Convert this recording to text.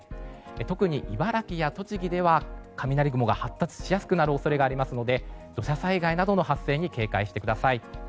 特に茨城や栃木では雷雲が発達しやすくなる恐れがあるので土砂災害などの発生に警戒してください。